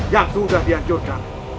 yang sudah dianjurkan